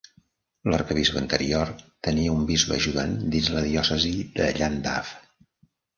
L'arquebisbe anterior tenia un bisbe ajudant dins la diòcesi de Llandaff.